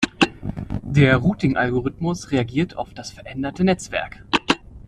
Der Routing-Algorithmus reagiert auf das veränderte Netzwerk.